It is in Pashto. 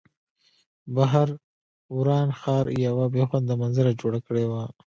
بهر وران ښار یوه بې خونده منظره جوړه کړې وه